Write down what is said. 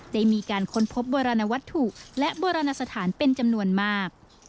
ได้มีการค้นพบโบราณวัตถุและโบราณสถานเป็นจำนวนมาก